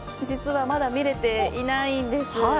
実はまだ見れてないんです。